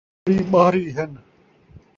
آندری ٻاہری ہن